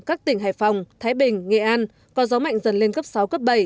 các tỉnh hải phòng thái bình nghệ an có gió mạnh dần lên cấp sáu cấp bảy